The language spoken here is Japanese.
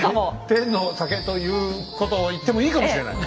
天の酒ということを言ってもいいかもしれない。